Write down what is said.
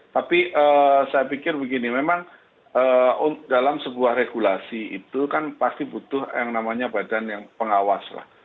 tapi saya pikir begini memang dalam sebuah regulasi itu kan pasti butuh yang namanya badan yang pengawas lah